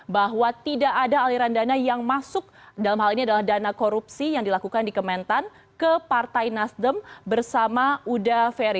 bahwa tidak ada aliran dana yang masuk dalam hal ini adalah dana korupsi yang dilakukan di kementan ke partai nasdem bersama uda ferry